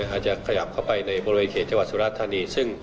อาจจะขยับเข้าไปในบริเวณเขตจังหวัดสุรธานีซึ่ง